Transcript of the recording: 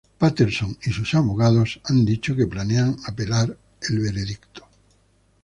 Patterson y sus abogados han dicho que planean apelar el veredicto.